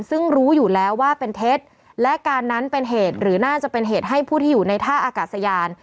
ซึ่งรู้อยู่แล้วว่าเป็นเท็จและการนั้นเป็นเหตุหรือน่าจะเป็นเหตุให้ผู้ที่อยู่ในท่าอากาศยาน